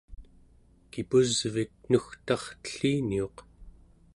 kipusvik nugtartelliniuq